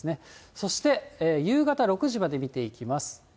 そして夕方６時まで見ていきます。